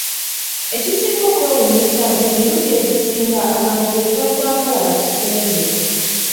Ekisinga okwewuunyisa nti emirundi egisinga abantu be tuba twagala batusembe.